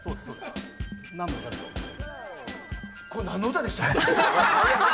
これ何の歌でしたっけ。